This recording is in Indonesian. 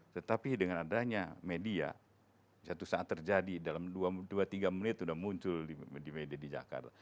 tetapi dengan adanya media satu saat terjadi dalam dua tiga menit sudah muncul di media di jakarta